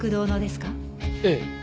ええ。